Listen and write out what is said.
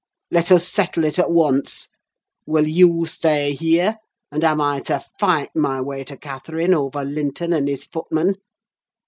Let us settle it at once: will you stay here, and am I to fight my way to Catherine over Linton and his footman?